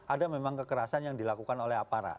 ada memang kekerasan yang dilakukan oleh aparat